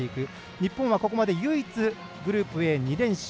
日本はここまで唯一、グループＡで２連勝